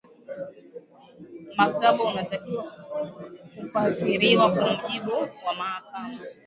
mkataba unatakiwa kufasiriwa kwa mujibu wa mahakama